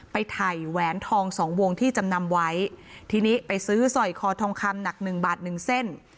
ไปถ่ายแหวนทองสองวงที่จำนำไว้ทีนี้ไปซื้อสอยคอทองคำหนักหนึ่งบาทหนึ่งเส้น